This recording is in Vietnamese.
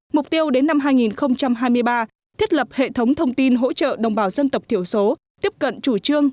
mục tiêu đến năm hai nghìn hai mươi ba thiết lập hệ thống thông tin hỗ trợ đồng bào dân tộc thiểu số tiếp cận chủ trương